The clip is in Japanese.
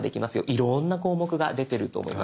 いろんな項目が出てると思います。